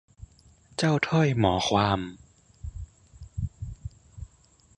เจ้าถ้อยหมอความ